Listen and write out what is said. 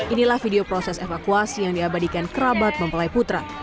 inilah video proses evakuasi yang diabadikan kerabat mempelai putra